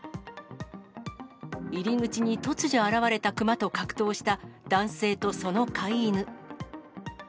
入り口に突如現れた熊と格闘した男性とその飼い犬。